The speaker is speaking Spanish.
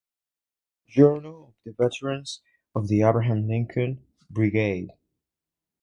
Journal of the Veterans of the Abraham Lincoln Brigade.